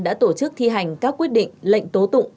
đã tổ chức thi hành các quyết định lệnh tố tụng